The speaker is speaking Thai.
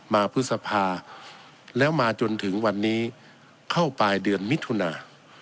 พฤษภาแล้วมาจนถึงวันนี้เข้าปลายเดือนมิถุนา